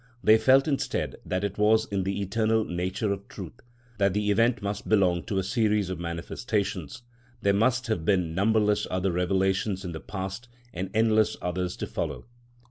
They felt instead that it was in the eternal nature of truth, that the event must belong to a series of manifestations; there must have been numberless other revelations in the past and endless others to follow.